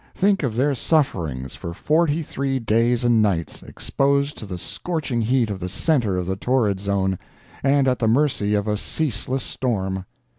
Think of their sufferings for forty three days and nights, exposed to the scorching heat of the center of the torrid zone, and at the mercy of a ceaseless storm!